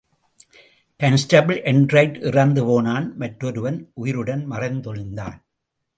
Constable Enright இறந்து போனான் மற்றொருவன் உயிருடன் மறைந்தொழிந்தான்.